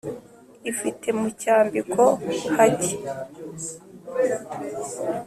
ifite mu cyambiko hake.